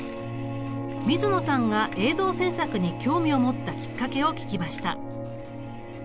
ＭＩＺＵＮＯさんが映像制作に興味を持ったきっかけを聞きました。